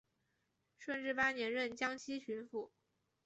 顺治八年任江西巡抚。